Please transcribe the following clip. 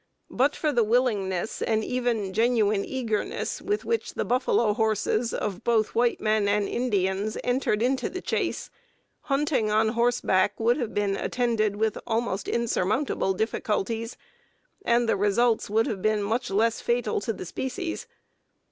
But for the willingness and even genuine eagerness with which the "buffalo horses" of both white men and Indians entered into the chase, hunting on horseback would have been attended with almost insurmountable difficulties, and the results would have been much less fatal to the species.